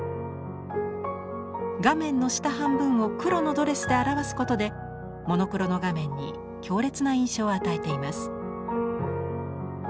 画面の下半分を黒のドレスで表すことでモノクロの画面に強烈な印象を与えています。